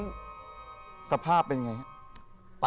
บ๊วยสภาพเป็นไงครับ